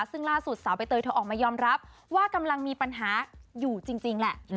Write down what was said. ซึ่งล่าสุดสาวใบเตยเธอออกมายอมรับว่ากำลังมีปัญหาอยู่จริงแหละ